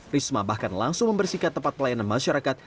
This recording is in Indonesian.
risma bahkan langsung membersihkan tempat pelayanan masyarakat